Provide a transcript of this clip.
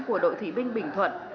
của đội thủy binh bình thuận